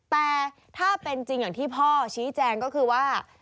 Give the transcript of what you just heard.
แต่ถ้าเป็นจริงอย่างที่พ่อชี้แจงก็คือว่า